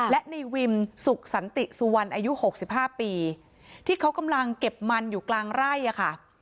และในวิมสุขสันติสุวรรณอายุหกสิบห้าปีที่เขากำลังเก็บมันอยู่กลางไร่อะค่ะ